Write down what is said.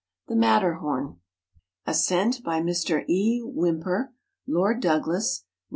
THE MATTEKHORN. ASCENT BY MR. E. WHYMPER, LORD DOUGLAS, REV.